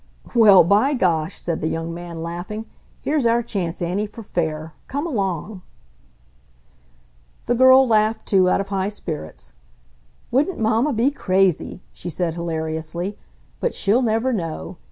"Well, by gosh," said the young man, laughing. "Here's our chance, Annie, for fair! Come along!" The girl laughed, too, out of high spirits. "Wouldn't Momma be crazy!" she said hilariously. "But she'll never know.